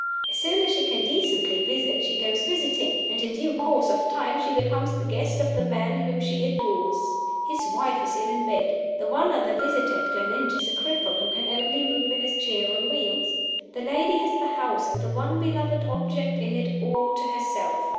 As soon as she can decently visit she goes visiting; and in due course of time she becomes the guest of the man whom she adores. His wife is ill in her bed. The one other visitor at Gleninch is a cripple, who can only move in his chair on wheels. The lady has the house and the one beloved object in it all to herself.